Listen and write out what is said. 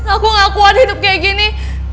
aku ngakuan hidup kayak gini